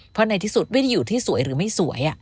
เพราะในที่สุดไม่ได้อยู่ที่สวยหรือไม่สวย